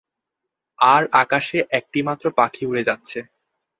আর আকাশে একটিমাত্র পাখি উড়ে যাচ্ছে।